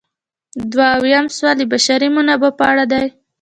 دوه اویایم سوال د بشري منابعو په اړه دی.